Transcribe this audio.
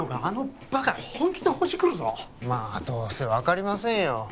あのバカ本気でほじくるぞまあどうせ分かりませんよ